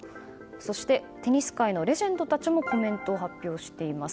そしてテニス界のレジェンドたちもコメントを発表しています。